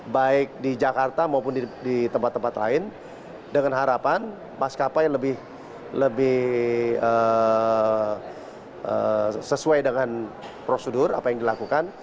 baik di jakarta maupun di tempat tempat lain dengan harapan maskapai lebih sesuai dengan prosedur apa yang dilakukan